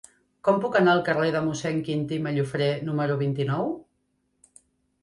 Com puc anar al carrer de Mossèn Quintí Mallofrè número vint-i-nou?